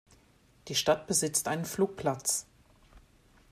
Die Stadt besitzt einen Flugplatz.